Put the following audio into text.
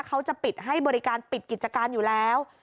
เขาจะปิดให้บริการปิดกิจการอยู่แล้ว